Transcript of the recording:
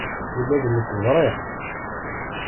Ula d nekk ẓriɣ-t.